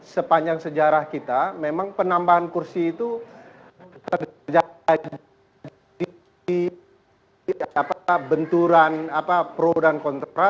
sepanjang sejarah kita memang penambahan kursi itu terjadi benturan pro dan kontra